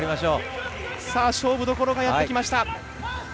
勝負どころがやってきました。